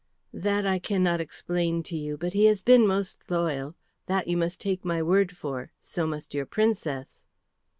"That I cannot explain to you, but he has been most loyal. That you must take my word for, so must your Princess."